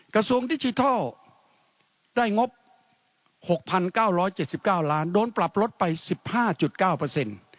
กระทรวงดิจิทัลได้งบ๖๙๗๙ล้านโดนปรับลดไป๑๕๙เปอร์เซ็นต์